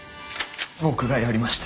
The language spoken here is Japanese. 僕がやりました。